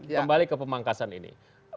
kembali ke pemangkasan ini